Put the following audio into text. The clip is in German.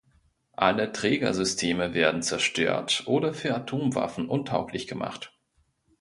Alle Trägersysteme werden zerstört oder für Atomwaffen untauglich gemacht.